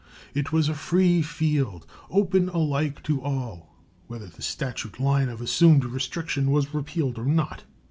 It was a free field, open alike to all, whether the statute line of assumed restriction were repealed or not.